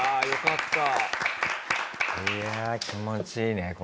いやあ気持ちいいね